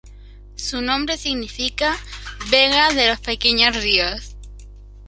Su nombre significa "vega de los pequeños ríos".